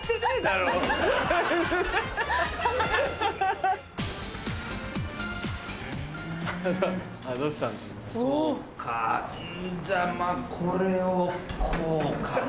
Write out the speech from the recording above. そうかうんじゃあこれをこうかな。